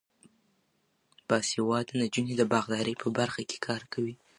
باسواده نجونې د باغدارۍ په برخه کې کار کوي.